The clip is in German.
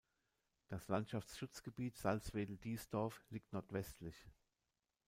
Das Landschaftsschutzgebiet Salzwedel-Diesdorf liegt nordwestlich.